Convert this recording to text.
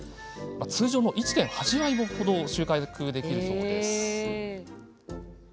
通常の１．８倍程収穫できるそうです。